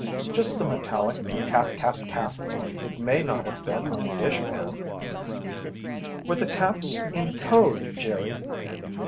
"Just a metallic tap tap tap. It may not have been on a dishpan." "Were the taps in code, Jerry?"